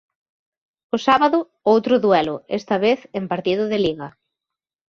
O sábado, outro duelo, esta vez en partido de Liga.